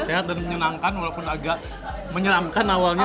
sehat dan menyenangkan walaupun agak menyeramkan awalnya